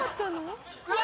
うわ！